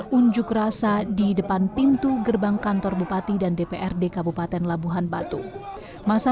dan menunjuk rasa di depan pintu gerbang kantor bupati dan dprd kabupaten labuhan batu masa